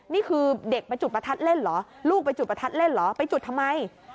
นี่คือเด็กมาจุดประทัดเล่นเหรอลูกไปจุดประทัดเล่นเหรอไปจุดทำไม